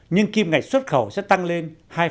nhưng kim ngạch xuất khẩu sẽ tăng lên